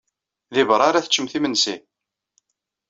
Deg beṛṛa ara teččemt imensi?